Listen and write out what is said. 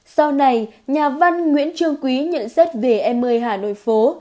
sau này nhà văn nguyễn trương quý nhận xét về em ơi hà nội phố